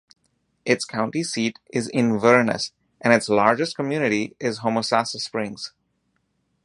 Its county seat is Inverness, and its largest community is Homosassa Springs.